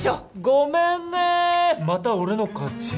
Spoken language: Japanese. ごめんねまた俺の勝ち。